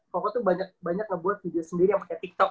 koko tuh banyak ngebuat video sendiri yang pake tiktok